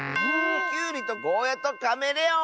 きゅうりとゴーヤーとカメレオン！